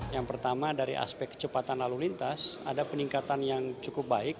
yang pertama dari aspek kecepatan lalu lintas ada peningkatan yang cukup baik